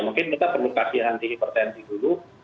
mungkin kita perlu kasih anti hipertensi dulu